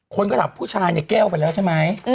คนก็ถามผู้ชายเนี่ยแก้วไปแล้วใช่ไหม